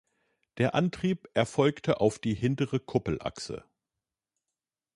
Der Antrieb erfolgte auf die hintere Kuppelachse.